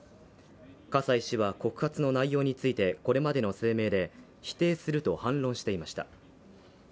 葛西氏は告発の内容についてこれまでの声明で否定すると反論していました。